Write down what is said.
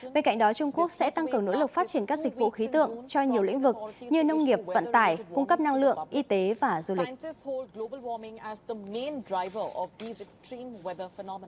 bên cạnh đó trung quốc sẽ tăng cường nỗ lực phát triển các dịch vụ khí tượng cho nhiều lĩnh vực như nông nghiệp vận tải cung cấp năng lượng y tế và du lịch